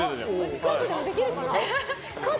スカートでできるかな。